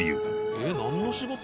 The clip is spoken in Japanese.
えっなんの仕事？